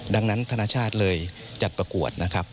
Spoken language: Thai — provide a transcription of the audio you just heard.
ดังนั้นธนาชาติเลยจัดประกวดนะครับ